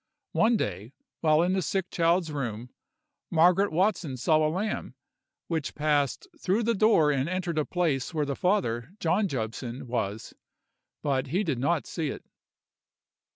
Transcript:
One day, while in the sick child's room, Margaret Watson saw a lamb, which passed through the door and entered a place where the father, John Jobson, was; but he did not see it.